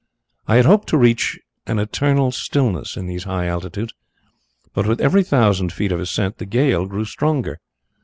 "I had hoped to reach an eternal stillness in these high altitudes, but with every thousand feet of ascent the gale grew stronger.